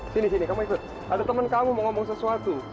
sini sini kamu ikut ada teman kamu mau ngomong sesuatu